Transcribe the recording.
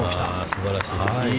すばらしい。